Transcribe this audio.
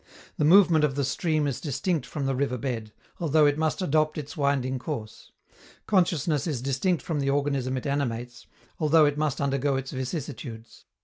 The movement of the stream is distinct from the river bed, although it must adopt its winding course. Consciousness is distinct from the organism it animates, although it must undergo its vicissitudes.